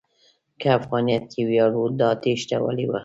که افغانیت کې ویاړ و، دا تېښته ولې وه؟